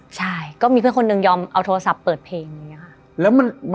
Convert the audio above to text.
ใช่ก็มีเพื่อนคนหนึ่งยอมเอาโทรศัพท์เปิดเพลงอย่างนี้ค่ะ